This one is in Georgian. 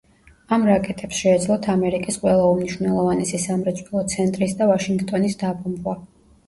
ამ რაკეტებს შეეძლოთ ამერიკის ყველა უმნიშვნელოვანესი სამრეწველო ცენტრის და ვაშინგტონის დაბომბვა.